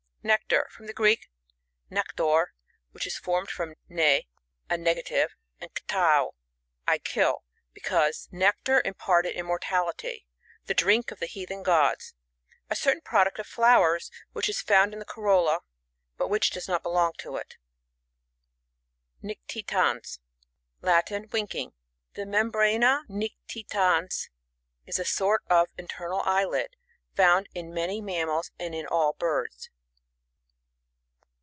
Nectar. — From the Greek, nektar, which is formed from n«, a nega tive, and ktao, I kill, because nec tar imparted immortality. The drink of the heathen gods. A cer tain product of flowers, which is fouu'i in the corolla, but which does not belong to it. NicTiTANS. — Latin. Winking. The merobrana nictitani^, is a sort ot internal eyelid, found in many mammals, and in all birds.